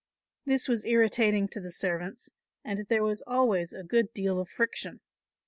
This was irritating to the servants and there was always a good deal of friction.